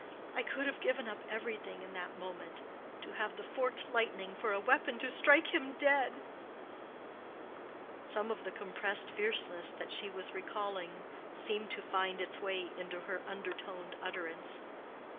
I could have given up everything in that moment, to have the forked lightning for a weapon to strike him dead." Some of the compressed fierceness that she was recalling seemed to find its way into her undertoned utterance.